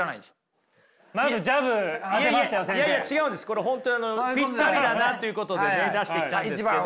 これ本当ピッタリだなということでね出してきたんですけど。